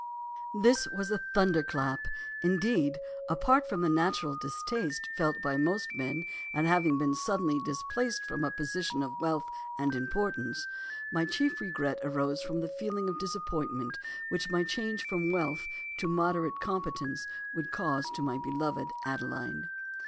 "This was a thunderclap; indeed, apart from the natural distaste felt by most men at having been suddenly displaced from a position of wealth and importance, my chief regret arose from the feeling of disappointment which my change from wealth to moderate competence would cause to my beloved Adeline.